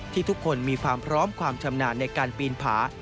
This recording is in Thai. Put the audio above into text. ทุกคนมีความพร้อมความชำนาญในการปีนผา